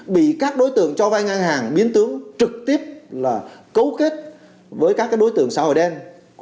bị các đối tượng cho vai ngang hàng biến tướng trực tiếp là cấu kết với các đối tượng xã hội đen